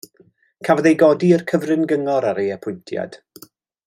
Cafodd ei godi i'r Cyfrin Gyngor ar ei apwyntiad.